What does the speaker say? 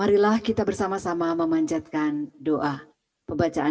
adalahlich kekasih akan membalas sumber tembok kita